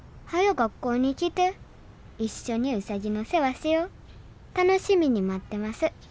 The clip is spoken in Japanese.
学校に来ていっしょにウサギの世話しよ楽しみに待ってます。